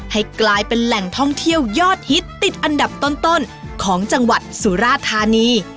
ให้กลายเป็นแหล่งท่องเที่ยวยอดฮิตติดอันดับต้นของจังหวัดสุราธานี